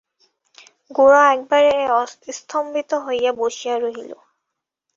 গোরা একেবারে স্তম্ভিত হইয়া বসিয়া রহিল।